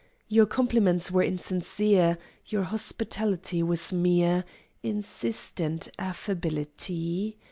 Your compliments were insincere, Your hospitality was mere "Insistent affability!"